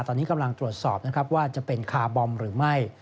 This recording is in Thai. ตอนนี้กำลังตรวจสอบนะครับว่าจะเป็นคาร์บอมหรือไม่